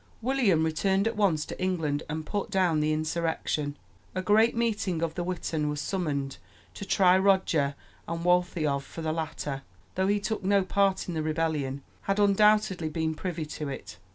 William returned at once to England and put down the insurrection. A great meeting of the witan was summoned to try Roger and Waltheof, for the latter, though he took no part in the rebellion, had undoubtedly been privy to it.